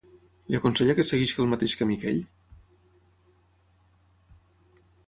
Li aconsella que segueixi el mateix camí que ell?